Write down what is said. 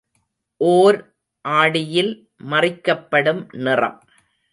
ஓர் ஆடியில் மறிக்கப்படும் நிறம்.